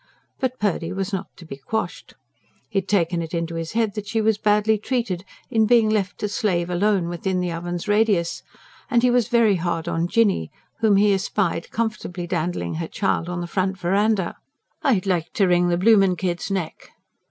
But Purdy was not to be quashed. He had taken it into his head that she was badly treated, in being left "to slave" alone, within the oven's radius; and he was very hard on Jinny, whom he had espied comfortably dandling her child on the front verandah. "I'd like to wring the bloomin' kid's neck!"